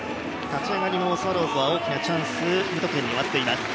立ち上がりのスワローズは大きなチャンス、無得点に終わっています。